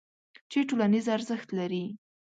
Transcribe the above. چې ټولنیز ارزښت لري.